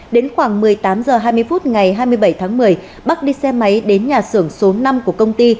đến khoảng một mươi tám h hai mươi phút ngày hai mươi bảy tháng một mươi bắc đi xe máy đến nhà xưởng số năm của công ty